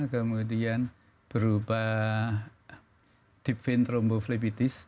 kemudian berubah dipventromboflipidis